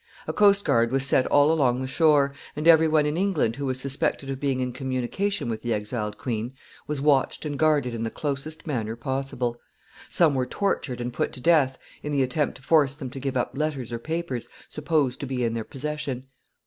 A coast guard was set all along the shore, and every one in England who was suspected of being in communication with the exiled queen was watched and guarded in the closest manner possible. Some were tortured and put to death in the attempt to force them to give up letters or papers supposed to be in their possession.